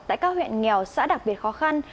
tại các huyện nghèo xã đặc biệt khó khăn